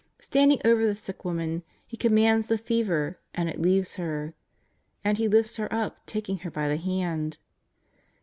Standing over the sick woman. He commands the fever and it leaves her. And He lifts her up, taking her by the hand.